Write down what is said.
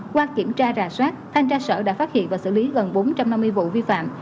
qua kiểm tra rà soát thanh tra sở đã phát hiện và xử lý gần bốn trăm năm mươi vụ vi phạm